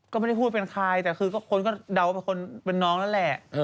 ก็ไม่ได้พูดเป็นใครแต่คือคนก็เดาว่าเป็นคนเป็นน้องนั่นแหละ